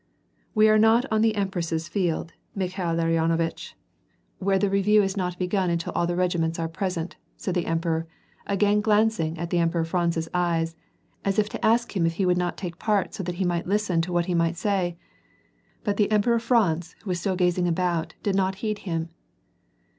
" We are not on the Empress's Field, Mikhail Larionovitch, VOL. 1.— 22. 8S8 WAR AND PEACE. where the review is not begun until all the reg^iinents are pres ent/' said the emperor, again glancing into the Emperor Franz's eyes, as if to ask him if he would not take part so that he might listen to what he might say ; but the Emperor Franz who was still gazing about did not heed him.